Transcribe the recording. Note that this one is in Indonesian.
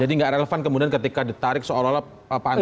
jadi nggak relevan kemudian ketika ditarik seolah olah pak antasari